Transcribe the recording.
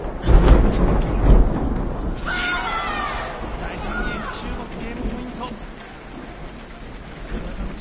第３ゲーム中国、ゲームポイント。